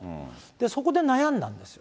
そこで悩んだんですよ。